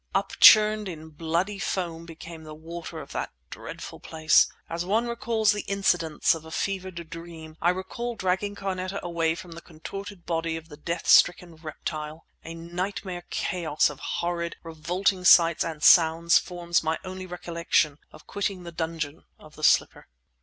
Upchurned in bloody foam became the water of that dreadful place.... As one recalls the incidents of a fevered dream, I recall dragging Carneta away from the contorted body of the death stricken reptile. A nightmare chaos of horrid, revolting sights and sounds forms my only recollection of quitting the dungeon of the slipper.